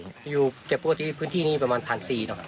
อยู่อยู่อย่างพี่พื้นที่นี่ประมาณ๑๔๐๐กาม